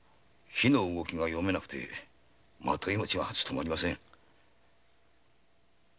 火の動きが読めなくて纏もちは務まりません。